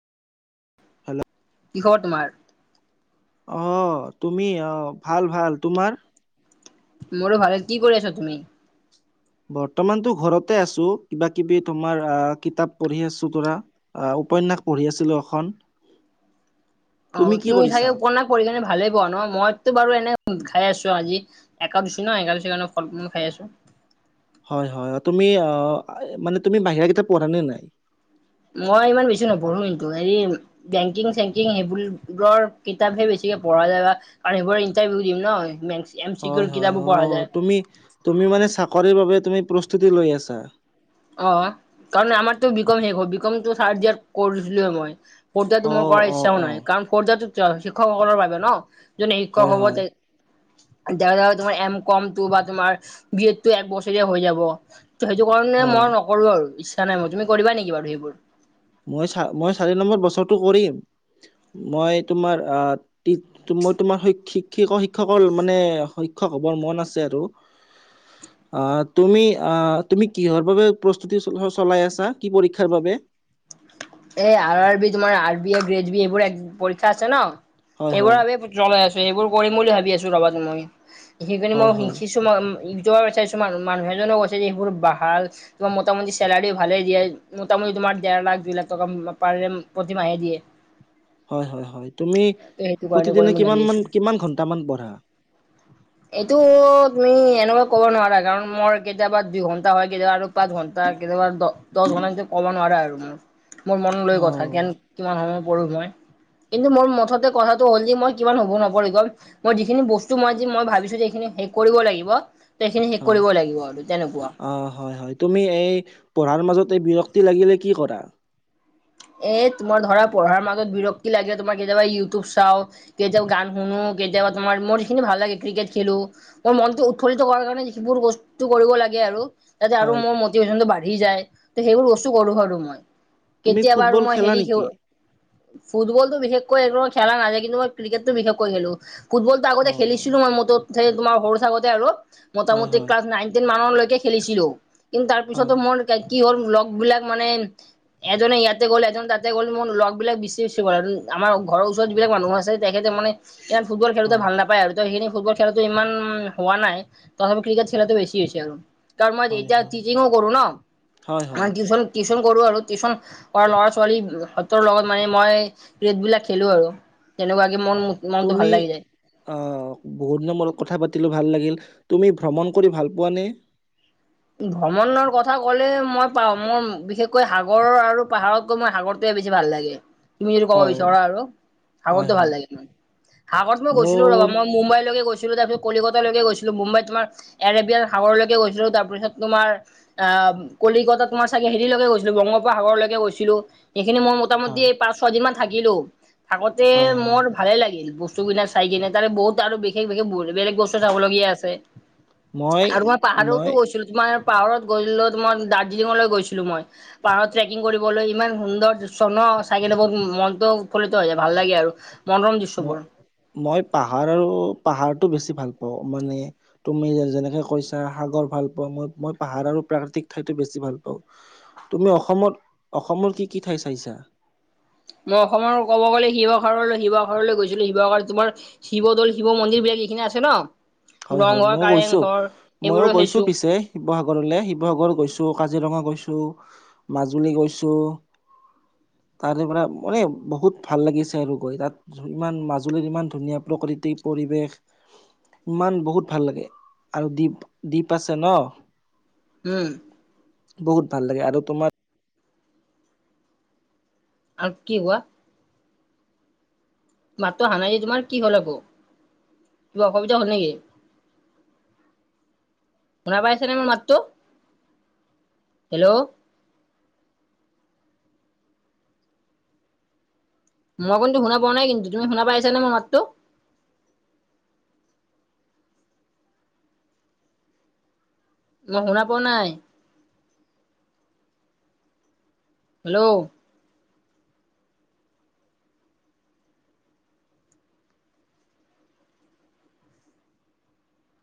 Hello. কিহৰ তোমাৰ। অহঁ তুমি অহঁ ভাল ভাল তোমাৰ? মোৰো ভালে, কি কৰি আছা তুমি? বৰ্তমানতো ঘৰতে আছো, কিবা কিবি তোমাৰ আহ কিতাপ পঢ়ি আছো কৰা। আহ উপন্যাস পঢ়ি আছিলো এখন। অঁ কি তুমি কৰিছা চাগে উপনাস পঢ়ি কিনে ভালেই পোৱা ন, মইতো বাৰু এনে খাই আছো আজি। একাদশ ন একাদশীৰ কাৰণে ফল ফূল খাই আছো। হয় হয়, তুমি অ মানে তুমি বাহিৰা কিতাপ পঢ়ানে নাই? মই ইমান বেছি নপঢ়ো কিন্তু হেৰি- বেংকিং চেংকিং সেইবোৰৰ কিতাপহে বেছিকে পঢ়া যায় বা - আৰু সেবোৰ ইণ্টাৰভিউ দিম ন মে- হয় হয়, অঁ তুমি তুমি মানে চাকৰিৰ বাবে তুমি প্ৰস্তুতি লৈ আছা? অহ, কাৰণ আমাৰতো বিকম শেষ, বিকম চাৰজাৰ কৰিছিলো মই। ফথইয়েৰটো অ মোৰ কৰাৰ অ ইচ্ছাও অ নাই। কাৰণ [unintelligible] শিক্ষকসকলৰ বাবে ন, যোনে হয় শিক্ষক হ'ব হয় দেখা যাব তোমাৰ এম কমটো বা তোমাৰ বিয়টো এক বছৰিয়া হৈ যাব। ত সেইটো কাৰণে হয় মই নকৰো আৰু ইচ্ছা নাই মই। তুমি কৰিবা নেকি বাৰু সেইবোৰ? মই চ মই চাৰি নম্বৰ বছৰটো কৰিম। মই তোমাৰ আ মই তোমাৰ শিক্ষ শিক্ষকৰ মানে শিক্ষক হ'বৰ মন আছে আৰু। [inaudible] অ তুমি অ তুমি কিহৰ বাবে প্ৰস্তুতি চলাই আছা কি পৰীক্ষাৰ বাবে? এই আৰ আৰ বি তোমাৰ R B A grade B এইবোৰ এক পৰীক্ষা আছে ন, হয় সেইবোৰ হয় বাবে জ্বলাই আছো, সেইবোৰ কৰিম বুলি ভাবি আছো ৰবা মই। সেইকাৰণে [unintelligible] হয় মই হয় কিছু ইউব [unintelligible] কিছু মানুহ এজনেও কৈছে যে সেইবোৰ ভাল তোমাৰ মোটামুটি চালাৰি ভালেই দিয়ে, মোটামুটি তোমাৰ ডেৰ লাখ দুই লাখ পাৰ প্ৰতিমাহে দিয়ে। হয়-হয়-হয়। তুমি সেইটো কাৰণে কৰিম প্ৰতিদিনে বুলি ভাবি আছো। কিমামান কিমান ঘন্টামান পঢ়া? এইটো তুমি এনেকুৱা ক'ব নোৱাৰা, কাৰণ মোৰ কেতিয়াবা দুইঘণ্টা হয়, কেতিয়াবা আৰু পাঁচ ঘণ্টা, কেতিয়াবা দহ ঘণ্টা ক'ব নোৱাৰা আৰু মোৰ মোৰ মন লৈ অ কথা জ্ঞান কিমান সময় পঢ়ো মই। কিন্তু মোৰ মুঠতে কথাটো হ'ল যে, মই কিমান হব নপৰিম মই যিখিনি বস্তু মই মই ভাবিছো যে এইখিনি শেষ কৰিব লাগিব, ত এইখিনি শেষ কৰিব লাগিব আৰু তেনেকুৱা। অঁ হয়-হয়। তুমি এই পঢ়াৰ মাজত এই বিৰক্তি লাগিলে কি কৰা? এ তোমাৰ ধৰা পঢ়াৰ মাজত বিৰক্তি লাগে তোমাৰ কেতিয়াবা ইউটিউব চাও৷ কেতিয়াবা গান শুনো, কেতিয়াবা তোমাৰ মোৰ যিখিনি ভাল লাগে ক্ৰিকেট খেলো৷ মোৰ মনটো উৎফুল্লিত কৰাৰ কাৰণে যিবোৰ বস্তু কৰিব লাগে আৰু তাতে আৰু হয় মোৰ মটিভেশ্যনটো বাঢ়ি যায়। ত সেইবোৰ বস্তু কৰো আৰু মই। তুমি এতিয়া বাৰু ফুটবল মই খেলা হেৰি সি নেকি? ফুটবলটো বিশেষকৈ এইবোৰ খেলা নাযায়, কিন্তু মই ক্ৰিকেটটো বিশেষকৈ খেলো। ফুটবল আগতে হয় খেলিছিলো মই সৰু থাকোতে আৰু হয় মুটামুটি হয় ক্লাছ নাইন দিন মানলৈকে খেলিছিলো কিন্তু তাৰ পিছতো হয় মোৰ কি হল লগ বিলাক মানে এজনে ইয়াত তা গ'ল এজন তাতে গ'ল মোৰ লগবিলাক বেছিচি'লঁ [unintelligible] আৰু আমাৰ ঘৰৰ ওচৰত যিবিলাক মানুহ আছে তেখেতে মানে ইমান ফুটবল খেলোতে হয় ভাল নাপায় আৰু ত সেইখিনি ফুটবল খেলাটো ইমান উ হোৱা নাই, তথাপি ক্ৰিকেট খেলাটো বেছি হৈছে আৰু। তাৰ মই হয় এতিয়া হয় টিচিঙো কৰো ন, হয় হয় টিউচন-টিউচন কৰো আৰু টিউচন কৰা ল'ৰা ছোৱালী সতৰ লগত মানে মই ক্ৰিকেটবিলাক খেলোঁ আৰু তেনেকুৱাকে মোৰ তুমি, অ, বহুত দিনৰ মূৰত কথা পাতিলো ভাল লাগিল। তুমি ভ্ৰমণ কৰি ভাল পোৱা নে? ভ্ৰমণৰ কথা ক'লে মই পাও, মই বিশেষকৈ সাগৰৰ আৰু পাহাৰতকৈ মই সাগৰ বেছি ভাল লাগে। তুমি যদি কব হয় বিছৰা আৰু হয় সাগৰতো হয় ভাল লাগে মোৰ। সাগৰত মই গৈছিলো ৰবা মোৰ মই মুম্বাইলৈকে গৈছিলো, তাৰপিছত কলিকতালৈকে গৈছিলো মুম্বাইত তোমাৰ এৰেবিয়ান সাগৰলৈকে গৈছিলোঁ তাৰপিছত তোমাৰ আহ কলিকতাত তোমাৰ চাগে হেৰিলৈকে গৈছিলো বংগোপ সাগৰলৈকে গৈছিলো সেইখিনি মই মোটামুটি হয় পাঁচ ছয় দিন মান থাকিলো থাকোতে হয় হয় মোৰ ভালে লাগিল বস্তু কিনে চাই কিনে তাৰে বহুত আৰু বিশেষ-বিশেষ বেলেগ বস্তু চাবলগীয়া আছে৷ আৰু মই পাহাৰতো গৈছিলো তোমাৰ পাহাৰত গল মই দাৰ্জিলিঙলৈ গৈছিলো মই৷ পাহাৰত ট্ৰেকিং কৰিবলৈ ইমান সুন্দৰ দৃশ্য ন চাই বহুত মনটো উৎফুল্লিত হৈ যায় ভাল লাগে আৰু মনোৰম মই দৃশ্যবোৰ৷ মই পাহাৰ আৰু পাহাৰটো বেছি ভাল পাওঁ মানে তুমি যেনেকে কৈছা সাগৰ ভাল পোৱা মই-মই পাহাৰ আৰু প্ৰাকৃতিক ঠাইতো বেছি ভাল পাওঁ৷ তুমি অসমত অসমৰ কি-কি ঠাই চাইছা? মই অসমৰ ক'ব গ'লে শিৱসাগৰলৈ-শিৱসাগৰলৈ গৈছিলো শিৱসাগৰত তোমাৰ শিৱদৌল শিৱ মন্দিৰ বিলাক এইখিনি আছে ন হয়-হয় ৰংঘৰ মইও গৈছো কাৰেংঘৰ মইো সেইবোৰো গৈছো চাইছো পিছে শিৱসাগৰলৈ শিৱসাগৰ গৈছো কাজিৰঙা গৈছো মাজুলী গৈছোঁ৷ তাৰেপৰা, মানে, বহুত ভাল লাগিছে আৰু গৈ তাত। ইমান, মাজুলীৰ ইমান ধুনীয়া, প্ৰকৃতিক পৰিৱেশ! ইমান, বহুত ভাল লাগে! আৰু দ্বীপ দ্বীপ আছে, ন'। উম! বহুত ভাল লাগে! আৰু তোমাৰ আৰু কি কোৱা? মাততো আহা নাই তোমাৰ, কি হ'ল আকৌ? কিবা অসুবিধা হ'ল নেকি? শুনা পাইছেনে মোৰ মাতটো? হেল্ল'! মই কিন্তু, শুনা পোৱা নাই, কিন্তু। তুমি শুনা পাই আছা নে মোৰ মাতটো? মই শুনা পোৱা নাই। হেল্ল'?